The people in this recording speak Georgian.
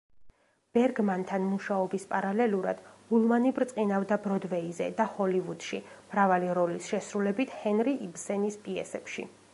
ბერგმანთან მუშაობის პარალელურად, ულმანი ბრწყინავდა ბროდვეიზე და ჰოლივუდში, მრავალი როლის შესრულებით ჰენრი იბსენის პიესებში.